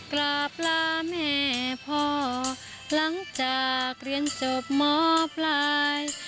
กราบลาแม่พ่อหลังจากเรียนจบหมอปลาย